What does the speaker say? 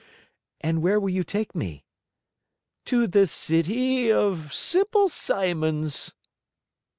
"And where will you take me?" "To the City of Simple Simons."